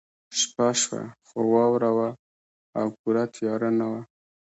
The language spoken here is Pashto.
شپه شوه خو واوره وه او پوره تیاره نه وه